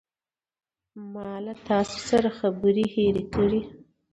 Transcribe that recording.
ما له تاسو سره خبرې هیرې کړې.